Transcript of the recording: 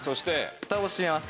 フタを閉めます。